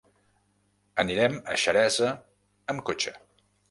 Anirem a Xeresa amb cotxe.